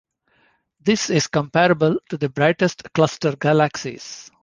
This is comparable to the brightest cluster galaxies.